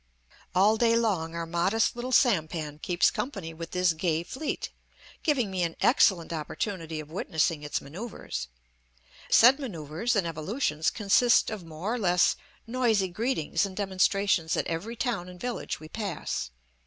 All day long our modest little sampan keeps company with this gay fleet, giving me an excellent opportunity of witnessing its manoeuvres. Said manoeuvres and evolutions consist of more or less noisy greetings and demonstrations at every town and village we pass.